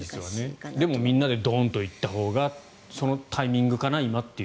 でもみんなでドンといったほうがそのタイミングかな、今と。